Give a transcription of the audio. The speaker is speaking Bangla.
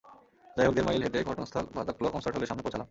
যাই হোক, দেড় মাইল হেঁটে ঘটনাস্থল বাতাক্লঁ কনসার্ট হলের সামনে পৌঁছালাম।